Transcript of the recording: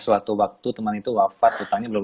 suatu waktu temen itu wafat utangnya belum